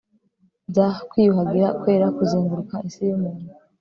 bya kwiyuhagira kwera kuzenguruka isi yumuntu